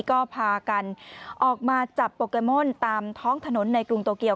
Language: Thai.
ก็พากันออกมาจับโปเกมอนตามท้องถนนในกรุงโตเกียว